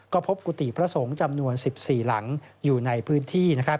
ก็พบกุฏิพระสงฆ์จำนวน๑๔หลังอยู่ในพื้นที่